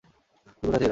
তুই কোথায় থেকে এসেছিস?